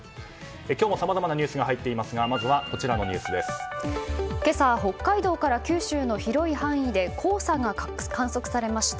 今日もさまざまなニュースが今朝、北海道から九州の広い範囲で黄砂が観測されました。